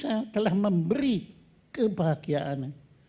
saya telah memberi kebahagiaan